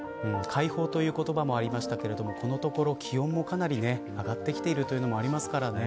快方という言葉もありましたがこのところ、気温もかなり上がってきているというのもありますからね。